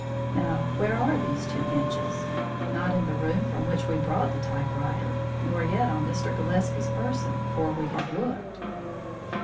Now where are these two inches? Not in the room from which we brought the typewriter, nor yet on Mr. Gillespie's person, for we have looked."